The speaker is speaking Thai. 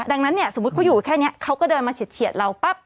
ดังนั้นเนี่ยสมมุติเขาอยู่แค่นี้เขาก็เดินมาเฉียดเราปั๊บ